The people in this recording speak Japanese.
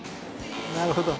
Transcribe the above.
なるほど。